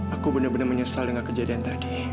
aku benar benar menyesal dengan kejadian tadi